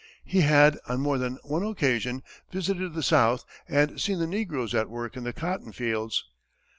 He had, on more than one occasion, visited the south and seen the negroes at work in the cotton fields.